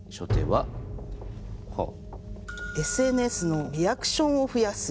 「ＳＮＳのリアクションを増やす」。